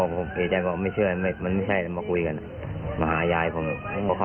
เขาก็ตกใจเขาเห็นผมเขาก็ทำไปเล่นไม่ถูกครับ